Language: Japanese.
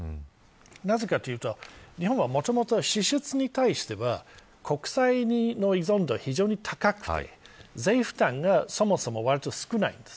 なぜかというと日本はもともと支出に関しては国債の依存度が非常に高くて税負担がそもそも、わりと少ないんです。